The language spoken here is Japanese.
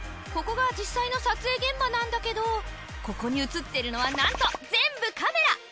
ここが実際の撮影現場なんだけどここに映っているのはなんと全部カメラ！